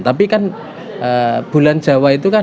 tapi kan bulan jawa itu kan